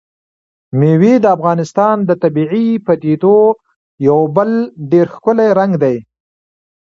مېوې د افغانستان د طبیعي پدیدو یو بل ډېر ښکلی رنګ دی.